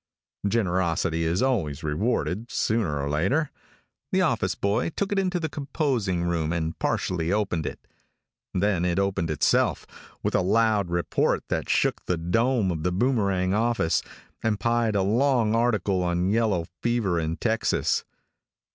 Generosity is always rewarded, sooner or later. The office boy took it into the composing room and partially opened it. Then it opened itself, with a loud report that shook the dome of The Boomerang office, and pied a long article on yellow fever in Texas.